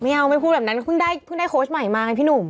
ไม่เอาไม่พูดแบบนั้นเห็นได้โค้ชใหม่มาไงภี่หนุ่ม